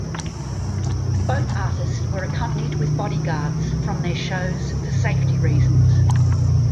Both artists were accompanied with bodyguards from their shows for safety reasons.